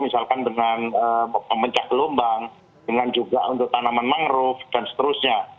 misalkan dengan pemencah gelombang dengan juga untuk tanaman mangrove dan seterusnya